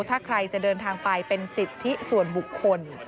ถ้าใครจะเดินทางไปเป็นสิทธิส่วนบุคคล